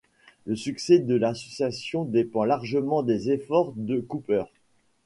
Le succès de l'association dépend largement des efforts de Cooper.